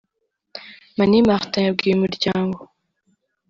Mani Martin yabwiye Umuryango